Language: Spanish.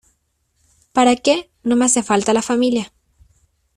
¿Para qué? no me hace falta la familia.